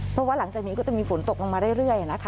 เพราะว่าหลังจากนี้ก็จะมีฝนตกลงมาเรื่อยนะคะ